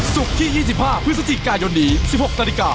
ศุกร์ที่๒๕พฤศจิกายนนี้๑๖นาฬิกา